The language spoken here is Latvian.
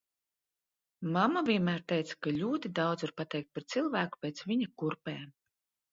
Mamma vienmēr teica, ka ļoti daudz var pateikt par cilvēku pēc viņa kurpēm.